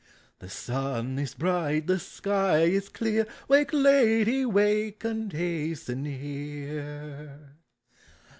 The sun is bright, the sky is clear; Wake, lady, wake! and hasten here.